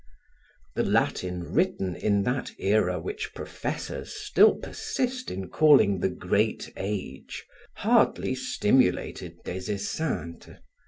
The Latin written in that era which professors still persist in calling the Great Age, hardly stimulated Des Esseintes.